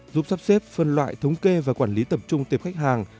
giúp sắp xếp phân loại thống kê và quản lý tập trung tiệp khách hàng